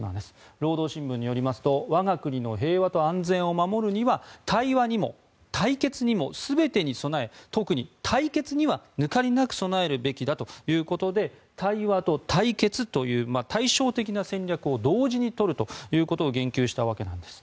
労働新聞によりますと我が国の平和と安全を守るには対話にも対決にも全てに備え特に対決には抜かりなく備えるべきだということで対話と対決という対照的な戦略を同時にとることを言及したわけです。